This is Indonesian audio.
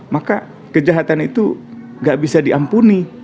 maka kejahatan itu gak bisa diampuni